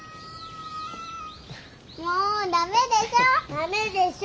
もう駄目でしょ？